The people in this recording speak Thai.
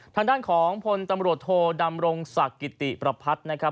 ทางด้านของพลตำรวจโทดำรงศักดิ์กิติประพัฒน์นะครับ